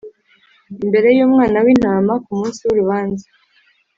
imbere y‟umwana w‟intama kumunsi w’urubanza.